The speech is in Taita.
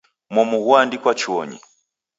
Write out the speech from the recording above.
Momu ghoandikwa chuonyi.